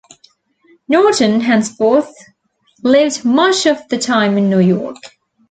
Norton henceforth lived much of the time in New York.